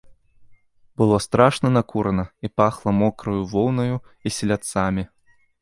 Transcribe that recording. Было страшна накурана, і пахла мокраю воўнаю і селядцамі.